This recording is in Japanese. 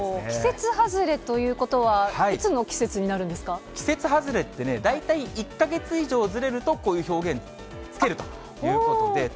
季節外れということは、季節外れってね、大体１か月以上ずれると、こういう表現つけるということで。